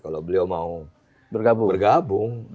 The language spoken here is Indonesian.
kalau beliau mau bergabung